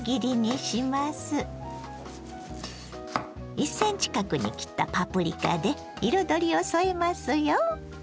１ｃｍ角に切ったパプリカで彩りを添えますよ。